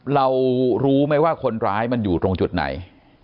เรารู้ไหมว่าคนร้ายมันอยู่ตรงจุดไหน